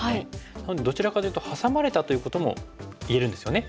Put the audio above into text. なのでどちらかというとハサまれたということも言えるんですよね。